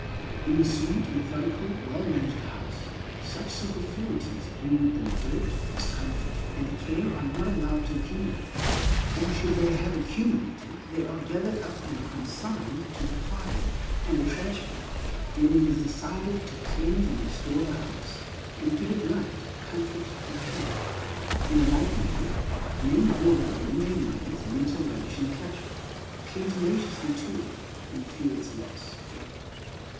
In a sweet, methodical, well managed house, such superfluities, bringing with them dirt, discomfort, and care, are not allowed to accumulate. Or should they have accumulated, they are gathered up and consigned to the fire and the trash bin, when it is decided to cleanse and restore the house, and give it light, comfort, and freedom. In a like manner men hoard up in their minds mental rubbish and clutter, cling tenaciously to it, and fear its loss.